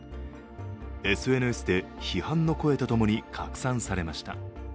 ＳＮＳで批判の声とともに拡散されました。